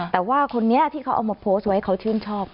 แต่ว่าคนนี้ที่เขาเอามาโพสต์ไว้เขาชื่นชอบ